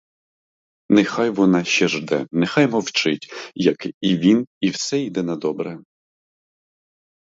Нехай вона ще жде, нехай мовчить, як і він, а все вийде на добре!